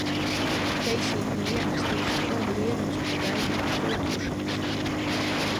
Feisītī ierakstīju skaudru ierakstu par raidījumu Kultūršoks.